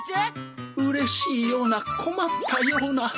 うれしいような困ったような。